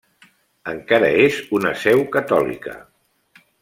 Encara és una seu catòlica.